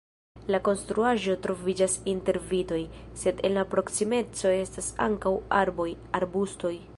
La konstruaĵo troviĝas inter vitoj, sed en la proksimeco estas ankaŭ arboj, arbustoj.